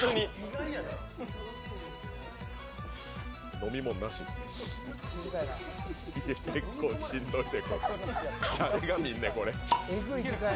飲み物なし、結構しんどいぜ。